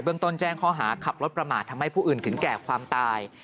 ต้นแจ้งข้อหาขับรถประมาททำให้ผู้อื่นถึงแก่ความตาย